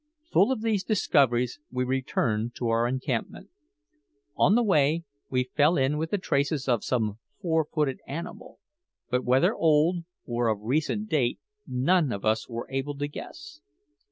Full of these discoveries, we returned to our encampment. On the way we fell in with the traces of some four footed animal, but whether old or of recent date none of us were able to guess.